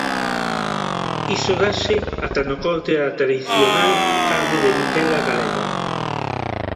Iso dáse ata no corte da tradicional carne de vitela galega.